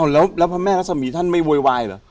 อ่าวแล้วสมิทรศไม่วอยวายเหรอ